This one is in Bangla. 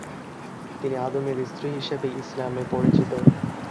তিনি আদমের স্ত্রী হিসাবেই ইসলামে পরিচিত।